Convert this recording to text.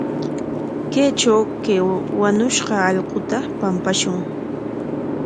Kaytraw kay wañushqa allquta pampashun.